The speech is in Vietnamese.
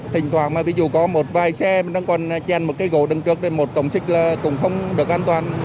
thỉnh thoảng mà ví dụ có một vài xe mình đang còn chèn một cây gỗ đằng trước nên một cổng xích là cũng không được an toàn